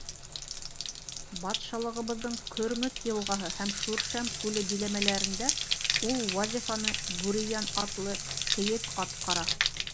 — Батшалығыбыҙҙың Көрмөт йылғаһы һәм Шүршәм күле биләмәләрендә ул вазифаны Бүрейән атлы кейек атҡара.